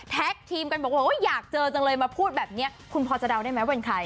ทีมกันบอกว่าอยากเจอจังเลยมาพูดแบบนี้คุณพอจะเดาได้ไหมเป็นใคร